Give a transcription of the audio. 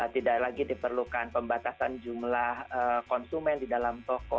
tidak lagi diperlukan pembatasan jumlah konsumen di dalam toko